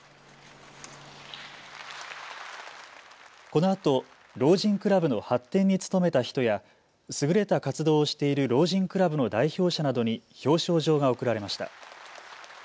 このあと老人クラブの発展に努めた人や優れた活動をしている老人クラブの代表者などに表彰状が贈られました。